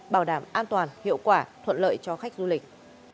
bảo đảm an toàn hiệu quả thuận lợi cho khách du lịch